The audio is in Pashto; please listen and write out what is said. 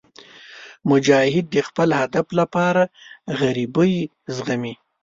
مجاهد د خپل هدف لپاره غریبۍ زغمي.